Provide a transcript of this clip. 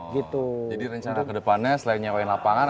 jadi rencana kedepannya selain nyerahin lapangan